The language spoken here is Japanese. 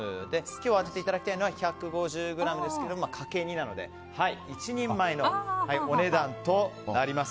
今日当てていただきたいのは１５０ｇですけどかけ２なので１人前のお値段となります。